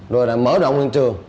rồi là mở động hình trường